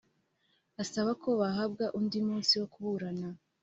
asaba ko bahabwa undi munsi wo kuburana